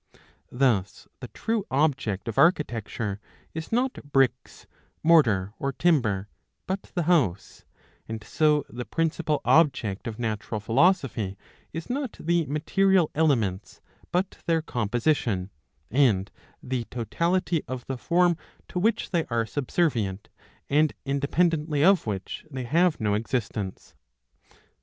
Thus the true object of architecture is not bricks mortar or timber, but the house ; and so the principal object of natural philosophy is not the material elements, but their composition, and the totality of the form to which they are subservient, and independently of which they have no existence.